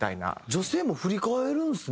女性も振り返るんですね。